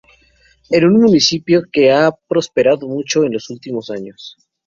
Es un municipio que ha prosperado mucho en los últimos años.